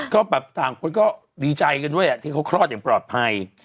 ก็ต่างคนก็ดีใจด้วยถ้าเค้าคลอดอย่างปลอดภัย